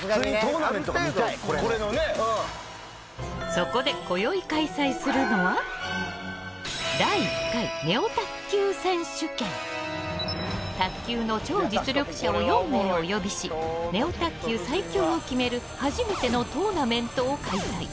そこで、こよい開催するのは第１回ネオ卓球選手権！卓球の超実力者を４名お呼びしネオ卓球最強を決める初めてのトーナメントを開催！